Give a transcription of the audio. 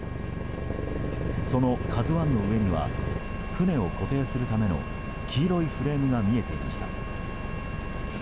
その「ＫＡＺＵ１」の上には船を固定するための黄色フレームが見えていました。